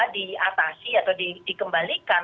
diatasi atau dikembalikan